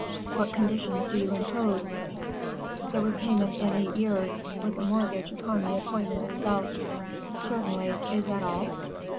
What conditions do you impose?" "The repayment in eight years, and a mortgage upon the appointment itself." "Certainly. Is that all?"